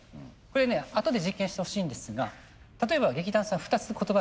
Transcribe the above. これねあとで実験してほしいんですが例えば劇団さん２つ言葉ありましたよね。